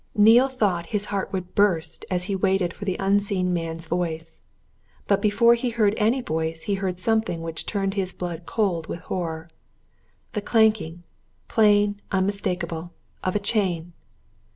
Neale thought his heart would burst as he waited for the unseen man's voice. But before he heard any voice he heard something which turned his blood cold with horror the clanking, plain, unmistakable, of a chain!